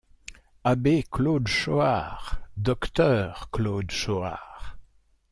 Abbé Claude Choart! docteur Claude Choart !